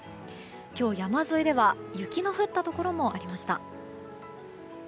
今日、山沿いでは雪の降ったところもありました。